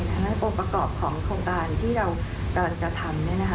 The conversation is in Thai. ดังนั้นองค์ประกอบของโครงการที่เรากำลังจะทำ